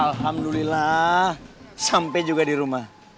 alhamdulillah sampai juga di rumah